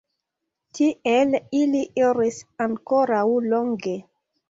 Tiel ili iris ankoraŭ longe.